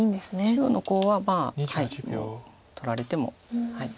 中央のコウは取られても。